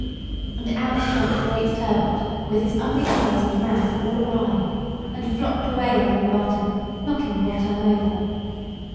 And out jumped a great turbot with his ugly eyes and mouth all awry, and flopped away along the bottom, knocking poor Tom over.